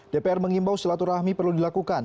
dpr mengimbau silaturahmi perlu dilakukan